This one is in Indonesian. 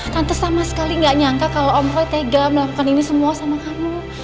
tante sama sekali gak nyangka kalau om roy tega melakukan ini semua sama kamu